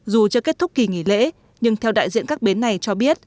dù chưa kết thúc kỳ nghỉ lễ nhưng theo đại diện các bến này cho biết